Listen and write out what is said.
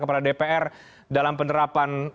kepada dpr dalam penerapan